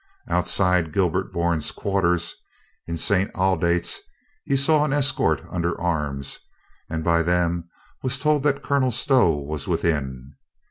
Outside Gilbert Bourne's quarters in St. Aldate's he saw an escort under arms and by them was told that Colonel Stow w,as within.